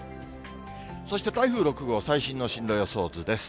そして台風６号、最新の進路予想図です。